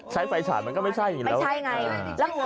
ใช้ไฟฉาดมันก็ไม่ใช่อย่างนี้แล้ว